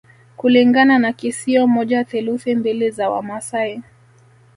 Kulingana na kisio moja theluthi mbili za Wamaasai